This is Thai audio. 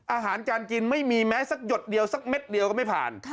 อาหารการกินไม่มีแม้สักหยดเดียวสักเม็ดเดียวก็ไม่ผ่าน